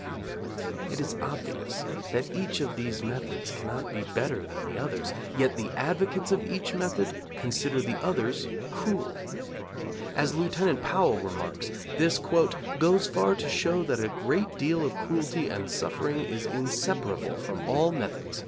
It is obvious that each of these methods cannot be better than the others, yet the advocates of each method consider the others cruel. As Lieut. Powell remarks, this 'goes far to show that a great deal of cruelty and suffering is inseparable from all methods.'